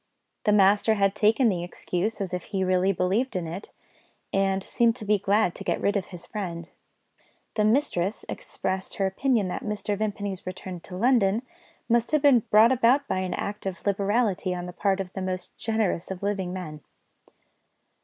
The master had taken the excuse as if he really believed in it, and seemed to be glad to get rid of his friend. The mistress expressed her opinion that Mr. Vimpany's return to London must have been brought about by an act of liberality on the part of the most generous of living men.